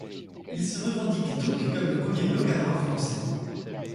Il se revendique donc comme le premier locavore français.